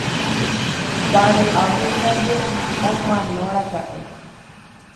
Vare'águi ndaje omanóraka'e.